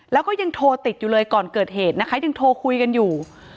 แล้วก็ยังโทรติดอยู่เลยก่อนเกิดเหตุนะคะยังโทรคุยกันอยู่